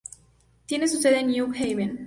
Tiene su sede en New Haven.